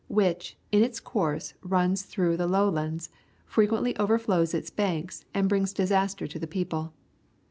ai which, in its course through the lowlands, frequently overflows its banks and brings disaster to the people.